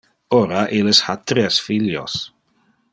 Ora illes ha tres filios.